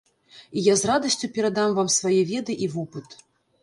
І я з радасцю перадам вам свае веды і вопыт.